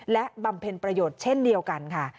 และบำเพ็ญประโยชน์เช่นเดียวกันค่ะ